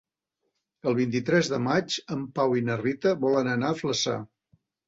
El vint-i-tres de maig en Pau i na Rita volen anar a Flaçà.